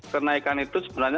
kenaikan itu sebenarnya